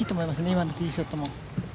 今のティーショットも。